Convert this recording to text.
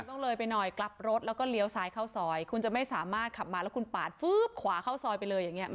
เลยไปหน่อยกลับรถแล้วก็เลี้ยวซ้ายเข้าซอยคุณจะไม่สามารถขับมาแล้วคุณปาดฟื๊บขวาเข้าซอยไปเลยอย่างเงี้